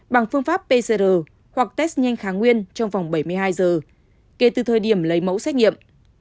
bằng phương pháp pcr hoặc test nhanh kháng nguyên trong vòng bảy mươi hai giờ kể từ thời điểm lấy mẫu xét nghiệm